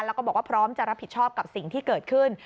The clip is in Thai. แล้วก็บอกว่าพร้อมจะรับผิดชอบกับสิ่งที่เกิดขึ้น